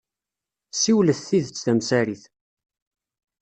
Ssiwlet tidet tamsarit.